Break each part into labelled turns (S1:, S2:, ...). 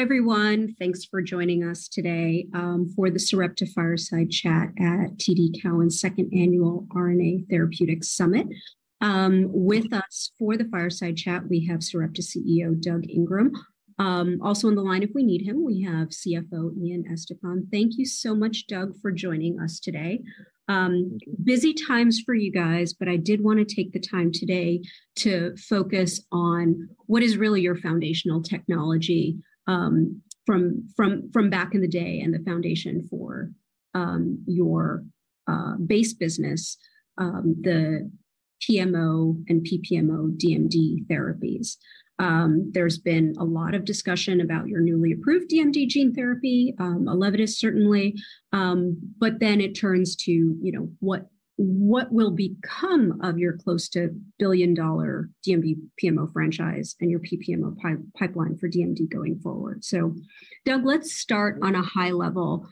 S1: Hi, everyone. Thanks for joining us today, for the Sarepta Fireside Chat at TD Cowen's Second Annual RNA Therapeutics Summit. With us for the Fireside Chat, we have Sarepta CEO, Doug Ingram. Also, on the line if we need him, we have CFO Ian Estepan. Thank you so much, Doug, for joining us today. Busy times for you guys, but I did wanna take the time today to focus on what is really your foundational technology, from back in the day, and the foundation for your base business, the PMO and PPMO DMD therapies. There's been a lot of discussion about your newly approved DMD gene therapy, ELEVIDYS, certainly. It turns to, you know, what will become of your close to billion-dollar DMD PMO franchise and your PPMO pipeline for DMD going forward? Doug, let's start on a high level.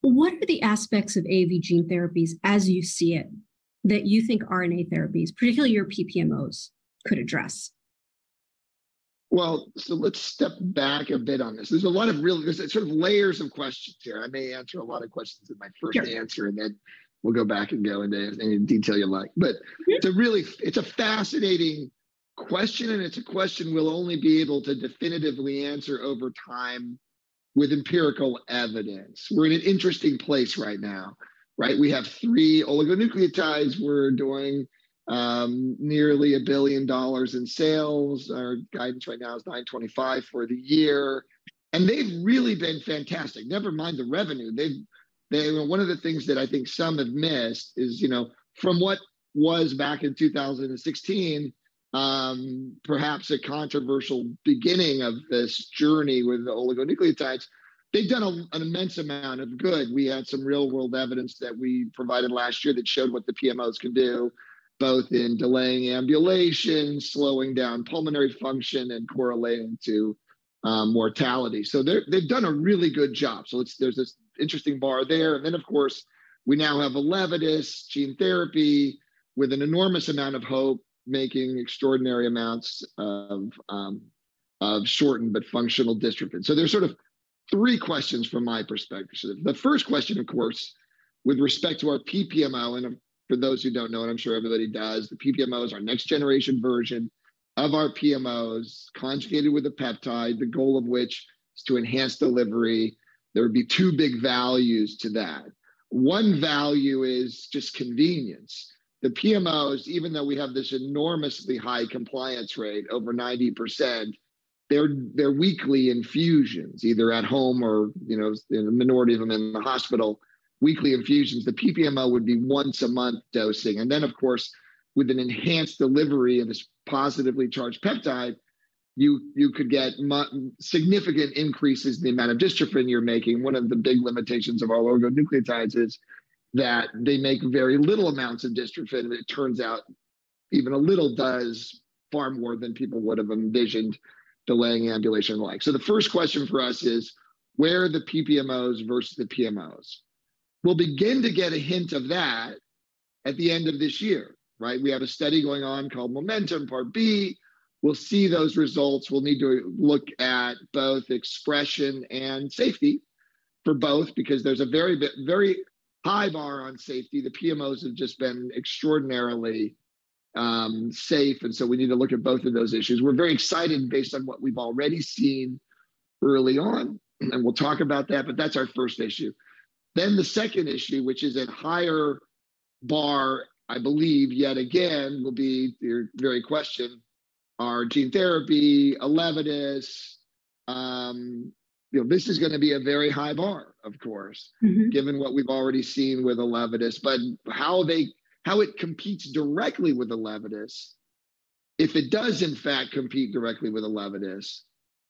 S1: What are the aspects of AAV gene therapies as you see it, that you think RNA therapies, particularly your PPMOs, could address?
S2: Well, let's step back a bit on this. There's, sort of, layers of questions here. I may answer a lot of questions in my first-
S1: Sure
S2: answer, and then we'll go back and go into any detail you like.
S1: Yeah.
S2: It's a fascinating question, and it's a question we'll only be able to definitively answer over time with empirical evidence. We're in an interesting place right now, right? We have three oligonucleotides. We're doing nearly $1 billion in sales. Our guidance right now is $925 million for the year, and they've really been fantastic. Never mind the revenue, they. Well, one of the things that I think some have missed is, you know, from what was back in 2016, perhaps a controversial beginning of this journey with oligonucleotides, they've done an immense amount of good. We had some real-world evidence that we provided last year that showed what the PMOs can do, both in delaying ambulation, slowing down pulmonary function, and correlating to mortality. They've done a really good job. Let's... There's this interesting bar there, and then, of course, we now have ELEVIDYS gene therapy with an enormous amount of hope, making extraordinary amounts of shortened but functional dystrophin. There's sort of three questions from my perspective. The first question, of course, with respect to our PPMO, and, for those who don't know, and I'm sure everybody does, the PPMO is our next generation version of our PMOs, conjugated with a peptide, the goal of which is to enhance delivery. There would be two big values to that. One value is just convenience. The PMOs, even though we have this enormously high compliance rate, over 90%, they're weekly infusions, either at home or, you know, a minority of them in the hospital, weekly infusions. The PPMO would be once a month dosing, and then, of course, with an enhanced delivery of this positively charged peptide, you could get significant increases in the amount of dystrophin you're making. One of the big limitations of oligonucleotides is that they make very little amounts of dystrophin, and it turns out even a little does far more than people would have envisioned, delaying ambulation and the like. The first question for us is: Where are the PPMOs versus the PMOs? We'll begin to get a hint of that at the end of this year, right? We have a study going on called MOMENTUM Part B. We'll see those results. We'll need to look at both expression and safety for both, because there's a very high bar on safety. The PMOs have just been extraordinarily safe. We need to look at both of those issues. We're very excited based on what we've already seen early on, and we'll talk about that, but that's our first issue. The second issue, which is at higher bar, I believe, yet again, will be your very question, our gene therapy, ELEVIDYS. You know, this is gonna be a very high bar, of course. given what we've already seen with ELEVIDYS. How it competes directly with ELEVIDYS, if it does, in fact, compete directly with ELEVIDYS,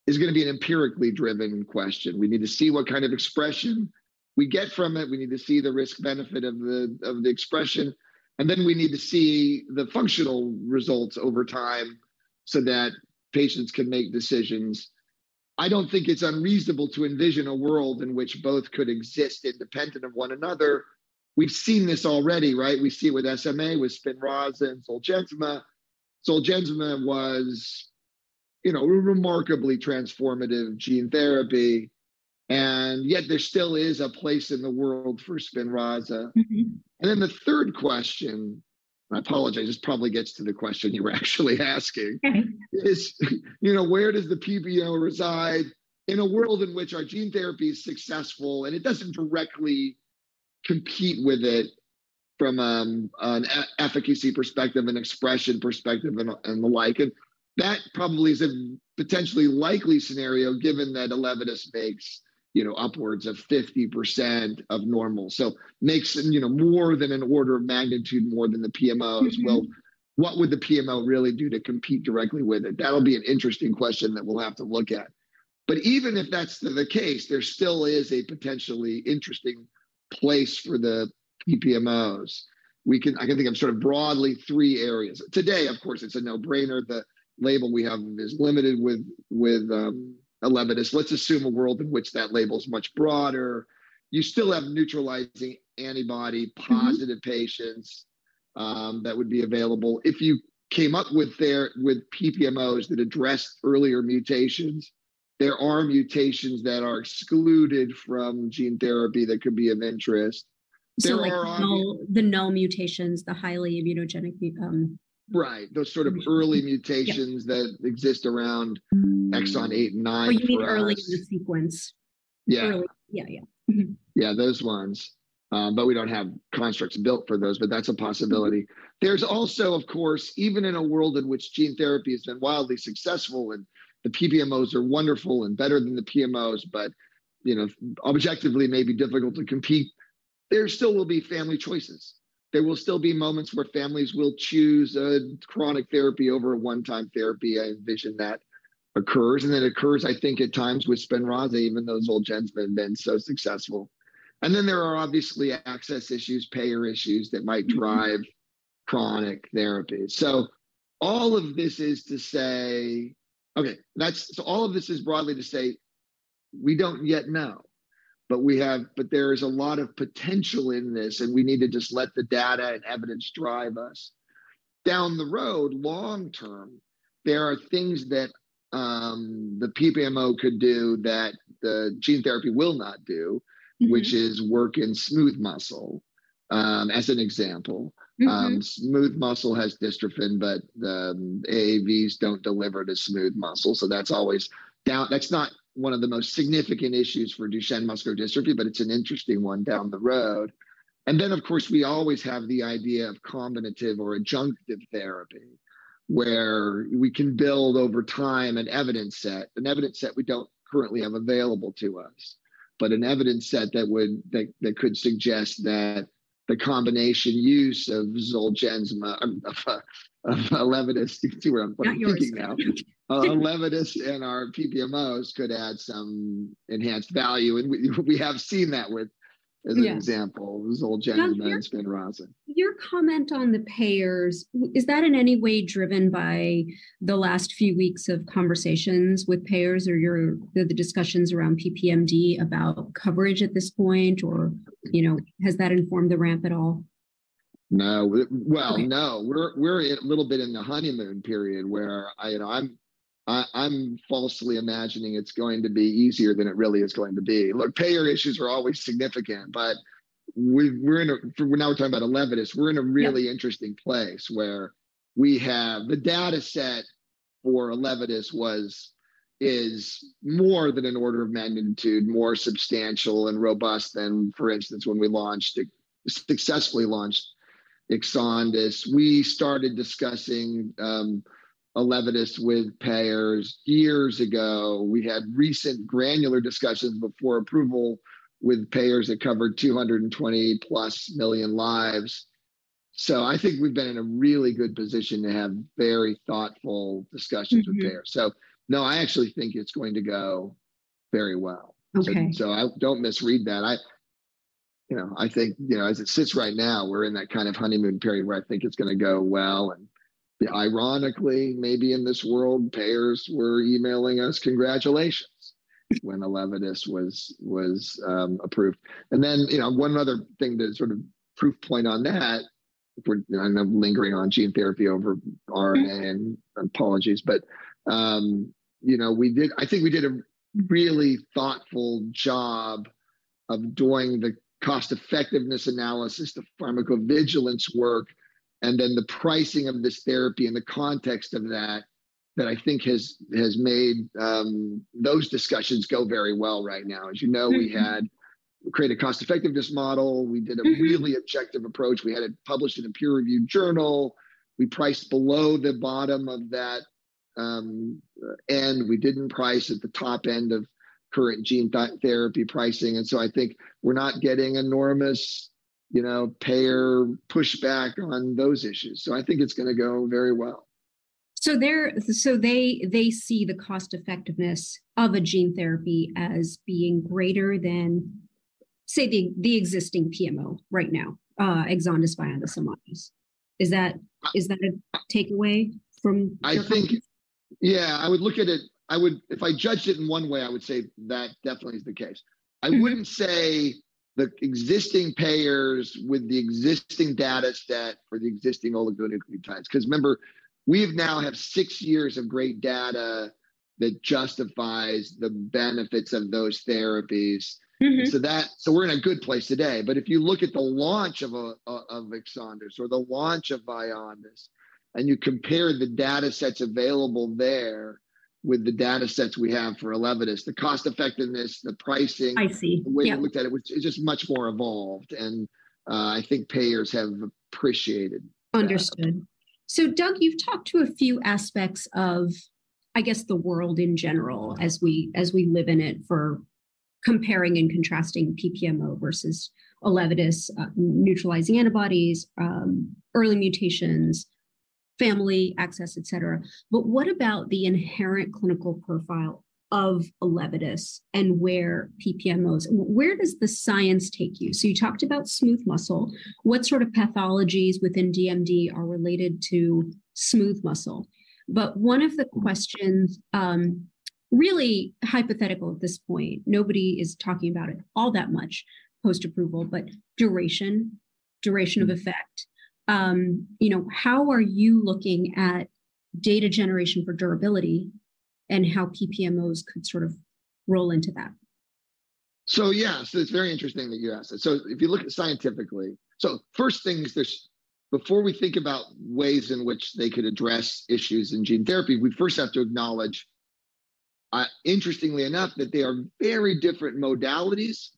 S2: is gonna be an empirically driven question. We need to see what kind of expression we get from it, we need to see the risk-benefit of the expression, and then we need to see the functional results over time so that patients can make decisions. I don't think it's unreasonable to envision a world in which both could exist independent of one another. We've seen this already, right? We've seen it with SMA, with SPINRAZA and ZOLGENSMA. ZOLGENSMA was, you know, a remarkably transformative gene therapy, and yet there still is a place in the world for SPINRAZA. The third question, I apologize, this probably gets to the question you were actually asking.
S1: It's okay.
S2: is, you know, where does the PMO reside in a world in which our gene therapy is successful, and it doesn't directly compete with it from an efficacy perspective, an expression perspective, and the like? That probably is a potentially likely scenario, given that ELEVIDYS makes, you know, upwards of 50% of normal, so makes it, you know, more than an order of magnitude, more than the PMO. What would the PMO really do to compete directly with it? That'll be an interesting question that we'll have to look at. Even if that's the case, there still is a potentially interesting place for the PPMOs. I can think of sort of broadly three areas. Today, of course, it's a no-brainer. The label we have is limited with ELEVIDYS. Let's assume a world in which that label is much broader. You still have neutralizing antibody- positive patients. That would be available. If you came up with there, with PPMOs that address earlier mutations, there are mutations that are excluded from gene therapy that could be of interest.
S1: like null, the null mutations, the highly immunogenic.
S2: Right, those sorts of early mutations.
S1: Yeah
S2: that exist around exon 8 and 9 for us.
S1: You mean early in the sequence?
S2: Yeah.
S1: Early. Yeah, yeah.
S2: Yeah, those ones. But we don't have constructs built for those, but that's a possibility. There's also, of course, even in a world in which gene therapy has been wildly successful, and the PPMOs are wonderful and better than the PMOs, but, you know, objectively may be difficult to compete, there still will be family choices. There will still be moments where families will choose a chronic therapy over a one-time therapy. I envision that occurs, and it occurs, I think, at times with SPINRAZA, even though ZOLGENSMA has been so successful. There are obviously access issues, payer issues, that might drive- chronic therapy. All of this is broadly to say we don't yet know, there is a lot of potential in this, and we need to just let the data and evidence drive us. Down the road, long term, there are things that the PPMO could do that the gene therapy will not do. which is work in smooth muscle, as an example. Smooth muscle has dystrophin, but the AAVs don't deliver to smooth muscle, so that's not one of the most significant issues for Duchenne muscular dystrophy, but it's an interesting one down the road. Of course, we always have the idea of combinative or adjunctive therapy, where we can build over time an evidence set, an evidence set we don't currently have available to us, but an evidence set that could suggest that the combination use of Zolgensma, of ELEVIDYS. You can see where I'm thinking now.
S1: Not yours.
S2: ELEVIDYS and our PPMOs could add some enhanced value, and we have seen that.
S1: Yes
S2: as an example, Zolgensma and SPINRAZA.
S1: Your comment on the payers, is that in any way driven by the last few weeks of conversations with payers or your, the discussions around PPMD about coverage at this point? Or, you know, has that informed the ramp at all?
S2: No. well, no.
S1: Okay.
S2: We're a little bit in the honeymoon period, where I, you know, I'm falsely imagining it's going to be easier than it really is going to be. Look, payer issues are always significant, but we're in a... now we're talking about ELEVIDYS.
S1: Yeah.
S2: The data set for ELEVIDYS is more than an order of magnitude, more substantial and robust than, for instance, when we successfully launched EXONDYS. We started discussing ELEVIDYS with payers years ago. We had recent granular discussions before approval with payers that covered 220+ million lives. I think we've been in a really good position to have very thoughtful discussions.... with payers. No, I actually think it's going to go very well.
S1: Okay.
S2: I don't misread that. I, you know, I think, you know, as it sits right now, we're in that kind of honeymoon period, where I think it's gonna go well. Ironically, maybe in this world, payers were emailing us congratulations when ELEVIDYS was approved. You know, one other thing to sort of proof point on that, I know I'm lingering on gene therapy. apologies, but, you know, I think we did a really thoughtful job of doing the cost-effectiveness analysis, the pharmacovigilance work, and then the pricing of this therapy in the context of that I think has made those discussions go very well right now. As you know, we had created a cost-effectiveness model. We did a really objective approach. We had it published in a peer-reviewed journal. We priced below the bottom of that, and we didn't price at the top end of current gene therapy pricing. I think we're not getting enormous, you know, payer pushback on those issues. I think it's gonna go very well.
S1: They see the cost-effectiveness of a gene therapy as being greater than, say, the existing PMO right now, EXONDYS, VYONDYS, AMONDYS. Is that a takeaway from your point of view?
S2: I think. Yeah, I would look at it if I judged it in one way, I would say that definitely is the case. I wouldn't say the existing payers with the existing data set for the existing oligonucleotides, 'cause remember, we've now have six years of great data that justifies the benefits of those therapies. We're in a good place today. If you look at the launch of EXONDYS or the launch of VYONDYS, and you compare the data sets available there with the data sets we have for ELEVIDYS, the cost effectiveness, the pricing.
S1: I see. Yeah.
S2: the way we looked at it, which is just much more evolved, and I think payers have appreciated.
S1: Understood. Doug, you've talked to a few aspects of, I guess, the world in general.
S2: Yeah
S1: as we, as we live in it for comparing and contrasting PPMO versus ELEVIDYS, neutralizing antibodies, early mutations, family access, et cetera. What about the inherent clinical profile of ELEVIDYS and where PPMOs? Where does the science take you? You talked about smooth muscle. What sort of pathologies within DMD are related to smooth muscle? One of the questions, really hypothetical at this point. Nobody is talking about it all that much post-approval, but duration of effect. You know, how are you looking at data generation for durability, and how PPMOs could sort of roll into that?
S2: Yeah, it's very interesting that you ask that. If you look at scientifically... First thing is before we think about ways in which they could address issues in gene therapy, we first have to acknowledge, interestingly enough, that they are very different modalities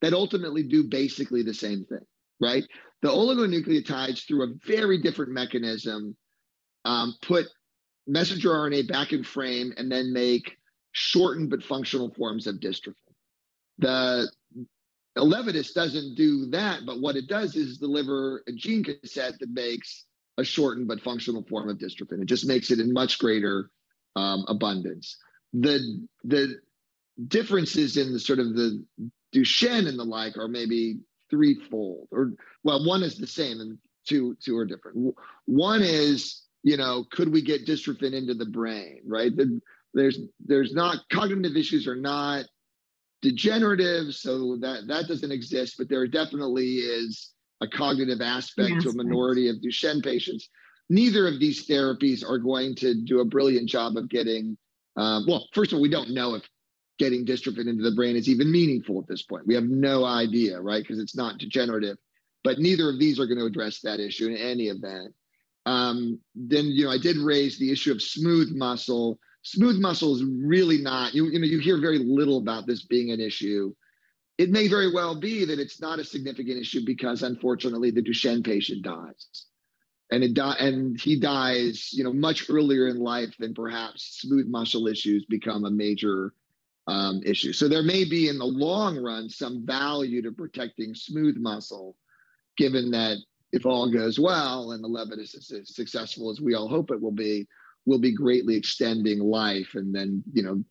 S2: that ultimately do basically the same thing, right? The oligonucleotides, through a very different mechanism, put messenger RNA back in frame, and then make shortened but functional forms of dystrophin. The ELEVIDYS doesn't do that, but what it does is deliver a gene cassette that makes a shortened but functional form of dystrophin. It just makes it in much greater abundance. The differences in the sort of the Duchenne and the like are maybe threefold, or well, one is the same and two are different. One is, you know, could we get dystrophin into the brain, right? There's not... Cognitive issues are not degenerative, so that doesn't exist, but there definitely is a cognitive aspect.
S1: Yeah
S2: to a minority of Duchenne patients. Neither of these therapies are going to do a brilliant job of getting. Well, first of all, we don't know if getting dystrophin into the brain is even meaningful at this point. We have no idea, right? Because it's not degenerative. Neither of these are going to address that issue in any event. You know, I did raise the issue of smooth muscle. Smooth muscle is really, you know, you hear very little about this being an issue. It may very well be that it's not a significant issue because, unfortunately, the Duchenne patient dies, and he dies, you know, much earlier in life than perhaps smooth muscle issues become a major issue. There may be, in the long run, some value to protecting smooth muscle, given that if all goes well and ELEVIDYS is as successful as we all hope it will be, we'll be greatly extending life, and then, you know.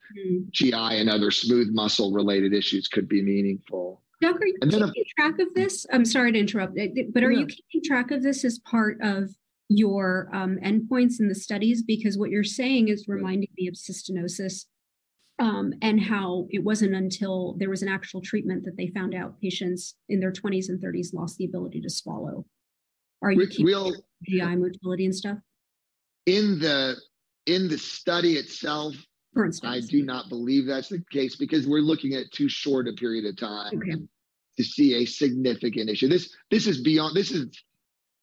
S2: GI and other smooth muscle-related issues could be meaningful.
S1: Doc, are you keeping?
S2: And then the-
S1: track of this? I'm sorry to interrupt...
S2: No
S1: Are you keeping track of this as part of your endpoints in the studies? Because what you're saying is reminding me of cystinosis, and how it wasn't until there was an actual treatment that they found out patients in their 20s and 30s lost the ability to swallow.
S2: We all.
S1: Are you keeping G.I. motility and stuff?
S2: In the study itself.
S1: For instance.
S2: I do not believe that's the case, because we're looking at too short a period of time.
S1: Okay
S2: to see a significant issue. This is beyond; this is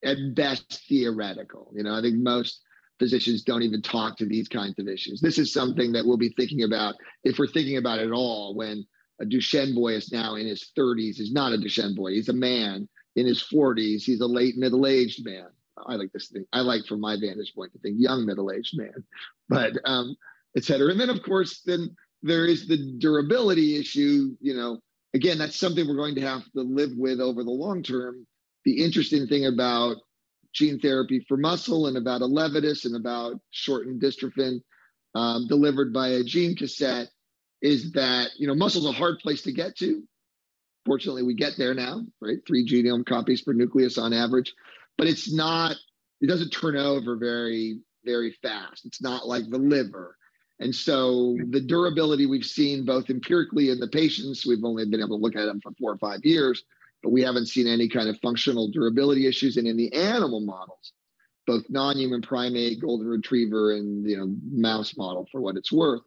S2: at best theoretical. You know, I think most physicians don't even talk to these kinds of issues. This is something that we'll be thinking about, if we're thinking about it at all, when a Duchenne boy is now in his 30s. He's not a Duchenne boy; he's a man in his 40s. He's a late middle-aged man. I like to think, from my vantage point, to think young middle-aged man. Et cetera. Then, of course, then there is the durability issue. You know, again, that's something we're going to have to live with over the long term. The interesting thing about gene therapy for muscle, and about ELEVIDYS, and about shortened dystrophin, delivered by a gene cassette, is that, you know, muscle's a hard place to get to. Fortunately, we get there now, right? Three genome copies per nucleus on average. It doesn't turn over very, very fast. It's not like the liver.
S1: Yeah
S2: the durability we've seen, both empirically in the patients, we've only been able to look at them for 4 or 5 years, but we haven't seen any kind of functional durability issues. In the animal models, both non-human primate, golden retriever, and the, you know, mouse model, for what it's worth,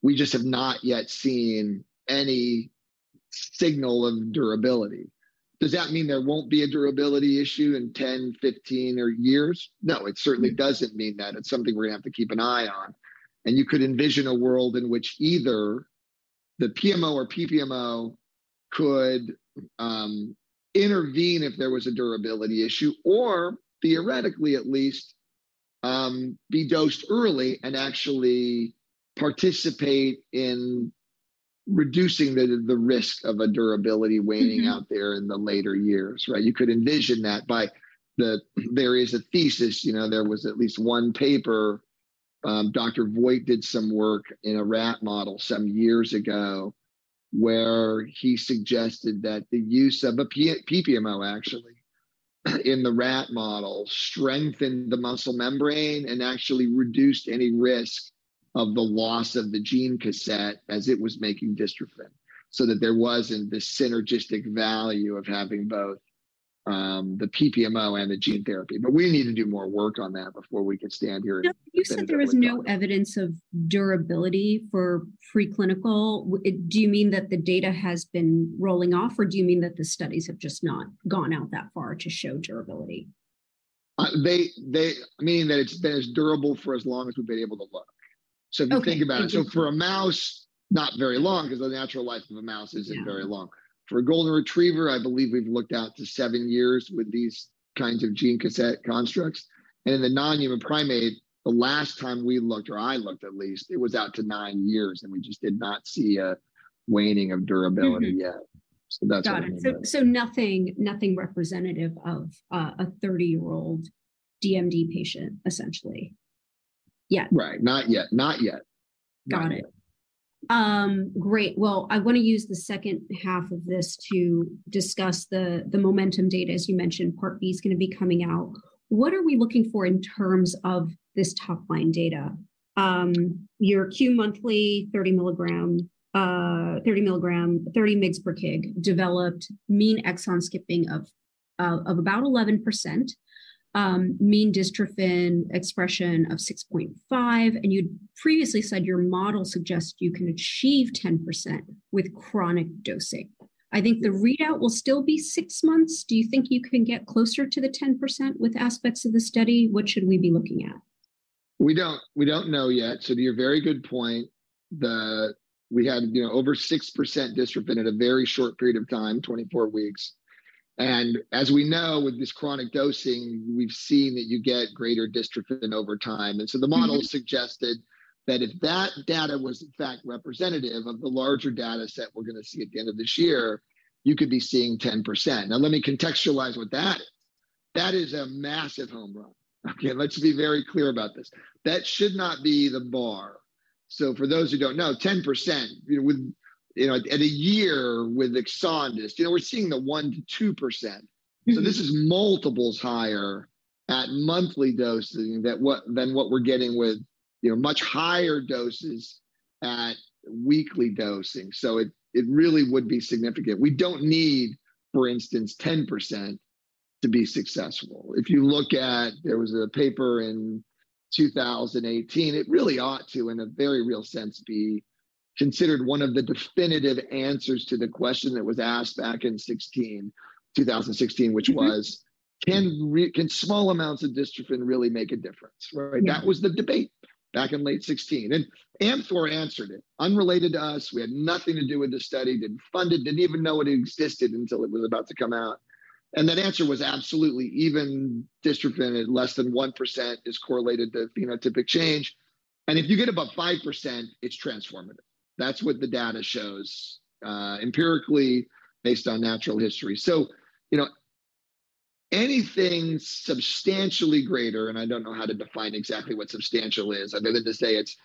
S2: we just have not yet seen any signal of durability. Does that mean there won't be a durability issue in 10, 15 or years? No, it certainly doesn't mean that. It's something we're going to have to keep an eye on. You could envision a world in which either the PMO or PPMO could intervene if there was a durability issue, or theoretically at least, be dosed early and actually participate in reducing the risk of a durability waning- out there in the later years, right? You could envision that. There is a thesis, you know, there was at least one paper, Dr. Voit did some work in a rat model some years ago, where he suggested that the use of a PPMO, actually, in the rat model strengthened the muscle membrane and actually reduced any risk of the loss of the gene cassette as it was making dystrophin. That there wasn't this synergistic value of having both, the PPMO and the gene therapy, but we need to do more work on that before we can stand here.
S1: Doc, you said there was no evidence of durability for preclinical, do you mean that the data has been rolling off, or do you mean that the studies have just not gone out that far to show durability?
S2: They I mean that it's been as durable for as long as we've been able to look.
S1: Okay.
S2: If you think about it.
S1: Thank you.
S2: for a mouse, not very long, cause the natural life of a mouse isn't.
S1: Yeah
S2: very long. For a golden retriever, I believe we've looked out to 7 years with these kinds of gene cassette constructs. In the non-human primate, the last time we looked, or I looked at least, it was out to 9 years, and we just did not see a waning of durability yet. That's what I mean.
S1: Got it. Nothing representative of a 30-year-old DMD patient, essentially? Yeah.
S2: Right. Not yet, not yet.
S1: Got it.
S2: Not yet.
S1: Great. Well, I want to use the H2 of this to discuss the MOMENTUM Part B data. As you mentioned, Part B is going to be coming out. What are we looking for in terms of this top-line data? Your Q monthly, 30 milligram, 30 mgs per kg developed mean exon skipping of about 11%, mean dystrophin expression of 6.5%, and you'd previously said your model suggests you can achieve 10% with chronic dosing. I think the readout will still be six months. Do you think you can get closer to the 10% with aspects of the study? What should we be looking at?
S2: We don't know yet, to your very good point, we had, you know, over 6% dystrophin in a very short period of time, 24 weeks. As we know, with this chronic dosing, we've seen that you get greater dystrophin over time. The model suggested that if that data was, in fact, representative of the larger data set we're gonna see at the end of this year, you could be seeing 10%. Let me contextualize what that is. That is a massive home run. Let's be very clear about this. That should not be the bar. For those who don't know, 10%, you know, with, you know, at a year with EXONDYS, you know, we're seeing the 1 to 2%. This is multiples higher at monthly dosing than what we're getting with, you know, much higher doses at weekly dosing, so it really would be significant. We don't need, for instance, 10% to be successful. There was a paper in 2018, it really ought to, in a very real sense, be considered one of the definitive answers to the question that was asked back in 2016. which was, "Can small amounts of dystrophin really make a difference?", right? That was the debate back in late 2016. Amthor answered it. Unrelated to us, we had nothing to do with the study, didn't fund it, didn't even know it existed until it was about to come out. That answer was absolutely, even dystrophin at less than 1%, is correlated to phenotypic change. If you get above 5%, it's transformative. That's what the data shows, empirically based on natural history. You know, anything substantially greater, and I don't know how to define exactly what substantial is, other than to say it's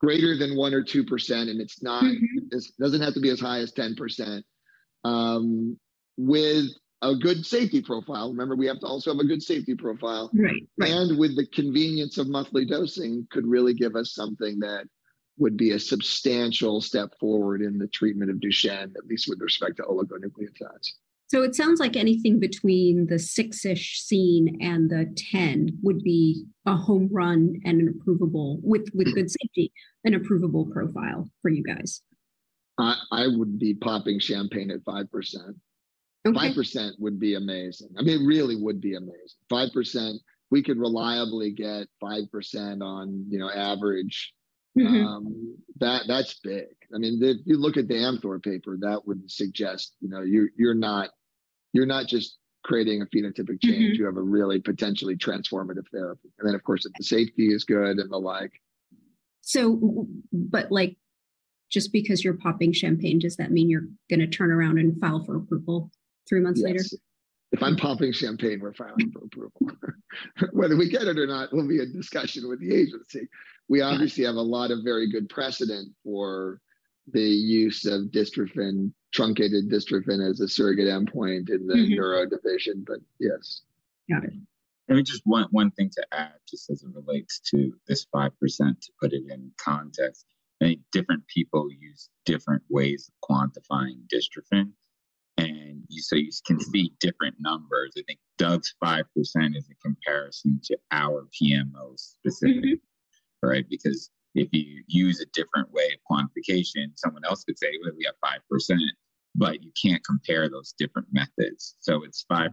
S2: greater than 1 or 2%. it doesn't have to be as high as 10% with a good safety profile. Remember, we have to also have a good safety profile.
S1: Right. Right.
S2: With the convenience of monthly dosing, could really give us something that would be a substantial step forward in the treatment of Duchenne, at least with respect to oligonucleotides.
S1: It sounds like anything between the 6-ish seen and the 10 would be a home run and an approvable, with. safety, an approvable profile for you guys.
S2: I would be popping champagne at 5%.
S1: Okay.
S2: 5% would be amazing. I mean, really would be amazing. 5%, we could reliably get 5% on, you know, average. That, that's big. I mean, if you look at the Amthor paper, that would suggest, you know, you're not, you're not just creating a phenotypic change... you have a really potentially transformative therapy. Of course, if the safety is good and the like.
S1: But, like, just because you're popping champagne, does that mean you're gonna turn around and file for approval three months later?
S2: Yes. If I'm popping champagne, we're filing for approval. Whether we get it or not, will be a discussion with the agency.
S1: Right.
S2: We obviously have a lot of very good precedent for the use of dystrophin, truncated dystrophin, as a surrogate endpoint. in the neurology division, but yes.
S1: Got it.
S3: Let me just one thing to add, just as it relates to this 5%, to put it in context, I think different people use different ways of quantifying dystrophin. You can see different numbers. I think Doug's 5% is in comparison to our PMO specific. Right? Because if you use a different way of quantification, someone else could say, "Well, we have 5%," but you can't compare those different methods, so it's 5%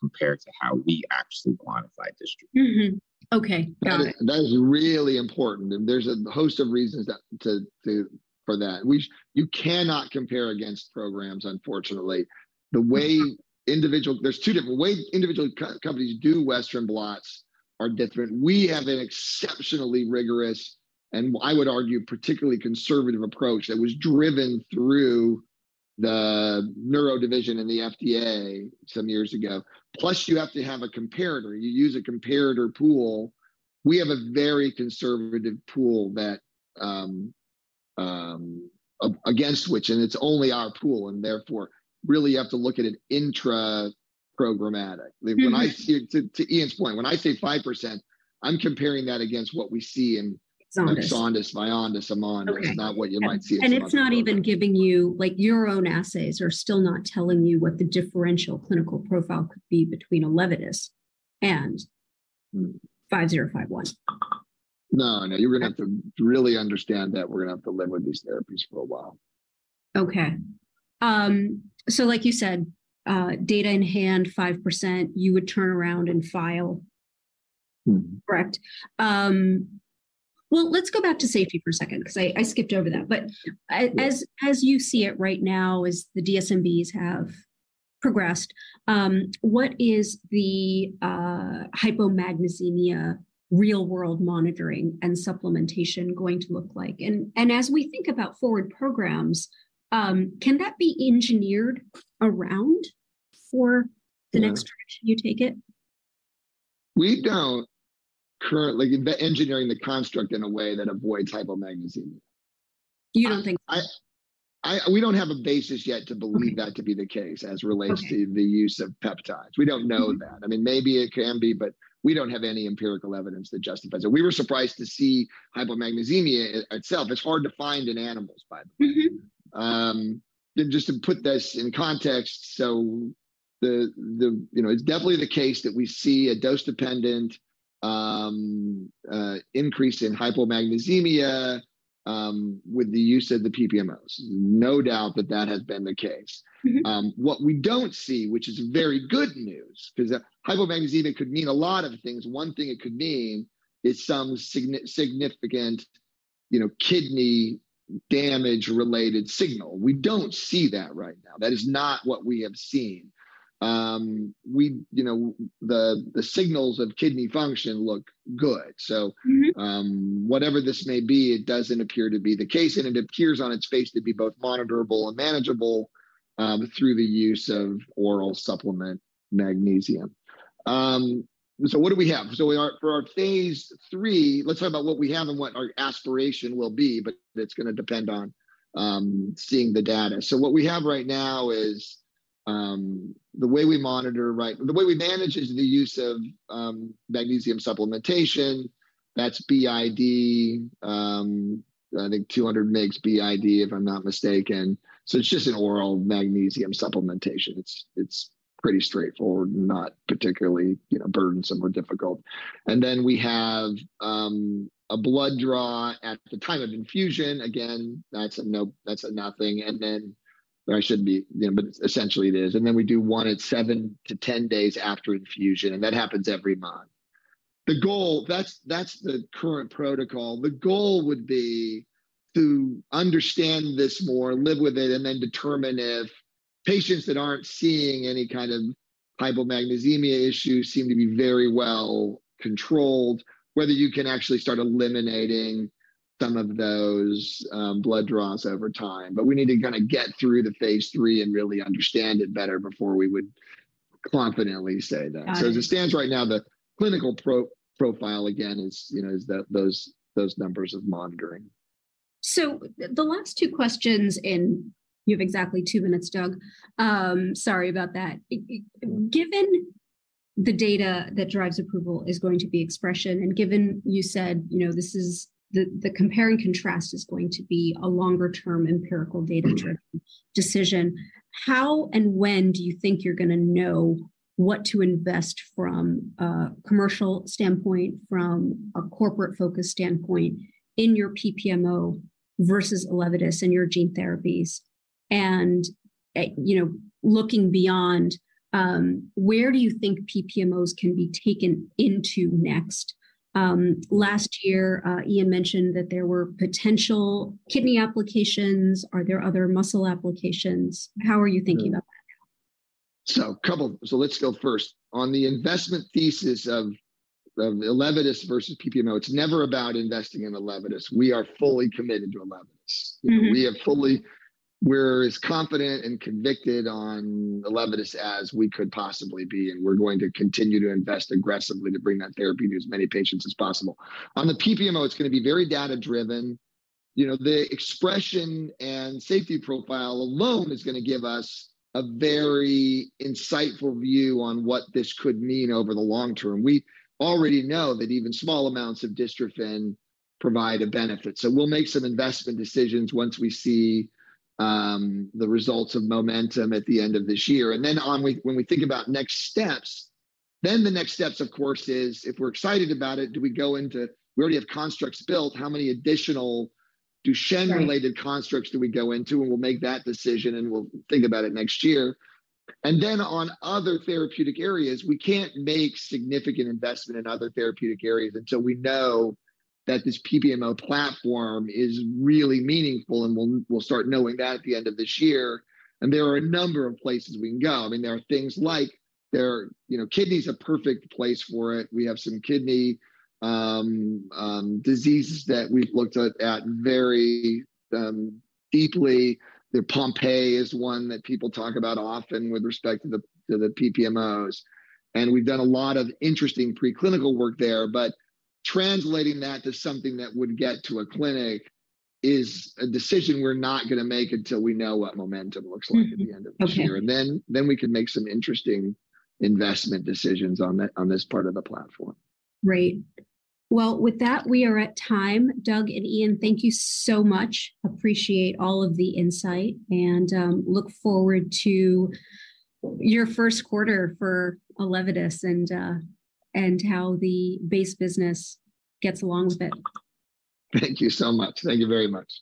S3: compared to how we actually quantify dystrophin.
S1: Okay, got it.
S2: That is really important, and there's a host of reasons for that. You cannot compare against programs, unfortunately. The way there's two different ways individual companies do western blots, are different. We have an exceptionally rigorous, and I would argue, particularly conservative approach, that was driven through the neurology division in the FDA some years ago. You have to have a comparator. You use a comparator pool. We have a very conservative pool that against which, and it's only our pool, and therefore really have to look at it intra-programmatic. To Ian Estepan's point, when I say 5%, I'm comparing that against what we see.
S1: EXONDYS
S2: EXONDYS, VYONDYS, AMONDYS.
S1: Okay.
S2: It's not what you might see in some other-
S1: It's not even giving you. Like, your own assays are still not telling you what the differential clinical profile could be between ELEVIDYS and SRP-5051.
S2: No.
S1: Okay
S2: you're gonna have to really understand that we're gonna have to live with these therapies for a while.
S1: Okay. Like you said, data in hand, 5%, you would turn around and file? Correct. Well, let's go back to safety for a second, 'cause I skipped over that.
S2: Yeah
S1: as you see it right now, as the DSMBs have progressed, what is the hypomagnesemia real-world monitoring and supplementation going to look like? As we think about forward programs, can that be engineered around?
S2: Yeah
S1: the next direction you take it?
S2: We don't currently engineering the construct in a way that avoid hypomagnesemia.
S1: You don't think-
S2: We don't have a basis yet to believe that to be the case as it relates-
S1: Okay
S2: to the use of peptides. We don't know that. I mean, maybe it can be, but we don't have any empirical evidence that justifies it. We were surprised to see hypomagnesemia itself. It's hard to find in animals, by the way. Just to put this in context, so the... You know, it's definitely the case that we see a dose-dependent increase in hypomagnesemia with the use of the PPMOs. No doubt that that has been the case. What we don't see, which is very good news, 'cause hypomagnesemia could mean a lot of things. One thing it could mean is some significant, you know, kidney damage-related signal. We don't see that right now. That is not what we have seen. We, you know, the signals of kidney function look good. whatever this may be, it doesn't appear to be the case, and it appears on its face to be both monitorable and manageable, through the use of oral supplement magnesium. What do we have? For our Phase 3, let's talk about what we have and what our aspiration will be, it's gonna depend on seeing the data. What we have right now is the way we monitor, the way we manage is the use of magnesium supplementation. That's BID. I think 200 mgs BID, if I'm not mistaken. It's just an oral magnesium supplementation. It's, it's pretty straightforward, not particularly, you know, burdensome or difficult. We have a blood draw at the time of infusion. That's a nothing. I shouldn't be, you know, but essentially it is. Then we do one at 7 to 10 days after infusion, and that happens every month. That's the current protocol. The goal would be to understand this more, live with it, and then determine if patients that aren't seeing any kind of hypomagnesemia issues seem to be very well controlled, whether you can actually start eliminating some of those blood draws over time. We need to kind of get through the phase 3 and really understand it better before we would confidently say that.
S1: Got it.
S2: As it stands right now, the clinical profile, again, is, you know, is that those numbers of monitoring.
S1: The last two questions in... You have exactly 2 minutes, Doug. Sorry about that. Given the data that drives approval is going to be expression, and given you said, you know, this is, the compare and contrast is going to be a longer-term, empirical data- driven decision, how and when do you think you're gonna know what to invest from a commercial standpoint, from a corporate focus standpoint, in your PPMO versus ELEVIDYS and your gene therapies? You know, looking beyond, where do you think PPMOs can be taken into next? Last year, Ian mentioned that there were potential kidney applications. Are there other muscle applications?
S2: Yeah.
S1: How are you thinking about that?
S2: Let's go first. On the investment thesis of ELEVIDYS versus PPMO, it's never about investing in ELEVIDYS. We are fully committed to ELEVIDYS. We're as confident and convicted on ELEVIDYS as we could possibly be, we're going to continue to invest aggressively to bring that therapy to as many patients as possible. On the PPMO, it's gonna be very data driven. You know, the expression and safety profile alone is gonna give us a very insightful view on what this could mean over the long term. We already know that even small amounts of dystrophin provide a benefit. We'll make some investment decisions once we see, the results of MOMENTUM at the end of this year. When we think about next steps, the next steps, of course, is if we're excited about it, do we go into... We already have constructs built. How many additional
S1: Right
S2: related constructs do we go into? We'll make that decision, and we'll think about it next year. On other therapeutic areas, we can't make significant investment in other therapeutic areas until we know that this PPMO platform is really meaningful, and we'll start knowing that at the end of this year. There are a number of places we can go. I mean, there are things like You know, kidney's a perfect place for it. We have some kidney diseases that we've looked at very deeply. Pompe is one that people talk about often with respect to the PPMOs, and we've done a lot of interesting preclinical work there. Translating that to something that would get to a clinic is a decision we're not gonna make until we know what momentum looks like. at the end of this year.
S1: Okay.
S2: Then we can make some interesting investment decisions on this part of the platform.
S1: Great. Well, with that, we are at time. Doug and Ian, thank you so much. Appreciate all of the insight and look forward to your Q1 for ELEVIDYS and how the base business gets along with it.
S2: Thank you so much. Thank you very much.